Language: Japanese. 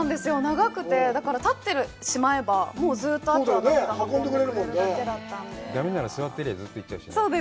長くてだから立ってしまえばもうずーっとあとは波が運んでくれるだけだったんでダメなら座ってりゃずっと行っちゃうしね